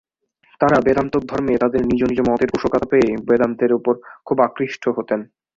তাঁরা বেদান্তোক্ত ধর্মে তাঁদের নিজ নিজ মতের পোষকতা পেয়ে বেদান্তের উপর খুব আকৃষ্ট হতেন।